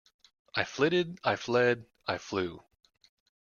I flitted, I fled, I flew.